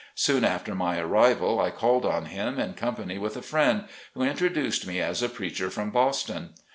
Soon after my arrival, I called on him in company with a friend, who introduced me as a preacher from Boston.